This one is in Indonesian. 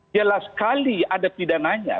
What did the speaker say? jelas sekali ada pidananya